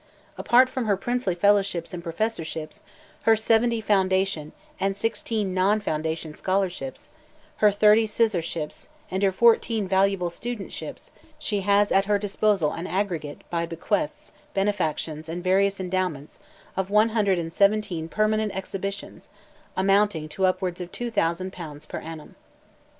Apart from her princely fellowships and professorships, her seventy Foundation, and sixteen non Foundation Scholarships, her thirty Sizarships, and her fourteen valuable Studentships, she has at her disposal an aggregate, by bequests, benefactions, and various endowments, of 117 permanent exhibitions, amounting to upwards of 2,000 pounds per annum."